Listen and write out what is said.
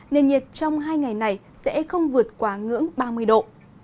nền nhiệt trong hai ngày này sẽ không vượt quá ngưỡng ba mươi độ